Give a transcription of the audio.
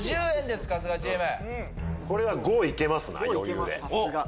これは５行けますな余裕で。